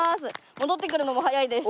戻ってくるのも速いです。